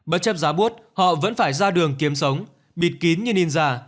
bất chấp giá bút họ vẫn phải ra đường kiếm sống bịt kín như ninja